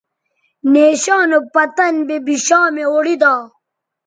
نیشاں نو پتن بے بشامےاوڑیدا